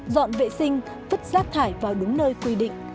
dọn vệ sinh vứt rác thải vào đúng nơi quy định